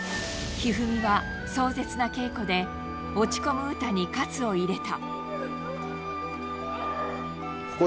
一二三は、壮絶な稽古で落ち込む詩に喝を入れた。